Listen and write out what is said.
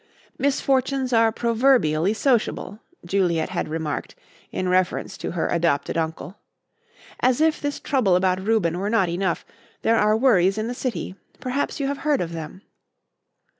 "Misfortunes are proverbially sociable," Juliet had remarked, in reference to her adopted uncle. "As if this trouble about Reuben were not enough, there are worries in the city. Perhaps you have heard of them."